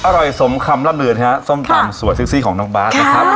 อร่อยสมคำร่ำเหลือนะฮะส้มตำสวยซิกซี่ของน้องบ๊าทนะครับ